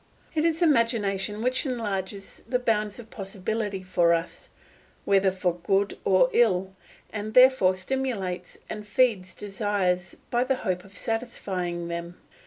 It is imagination which enlarges the bounds of possibility for us, whether for good or ill, and therefore stimulates and feeds desires by the hope of satisfying them.